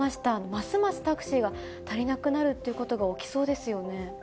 ますますタクシーが足りなくなるっていうことが起きそうですよね。